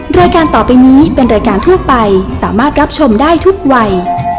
รายการต่อไปนี้เป็นรายการทั่วไปสามารถรับชมได้ทุกวัย